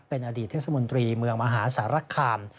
เป็นอดีตเทศมนตรีเมืองมหาสารคาม